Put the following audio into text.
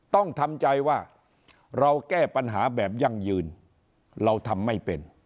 ต้องทำใจว่าเราแก้ปัญหาแบบยั่งยืนเราทำไม่เป็น